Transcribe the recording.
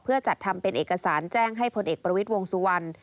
เพื่อจัดทำเป็นเอกสารแจ้งให้พลเอกประวิทย์วงสุวรรณ